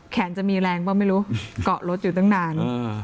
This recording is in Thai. จะมีแรงป่ะไม่รู้เกาะรถอยู่ตั้งนาน